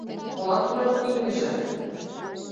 Молан тунам имньыже?»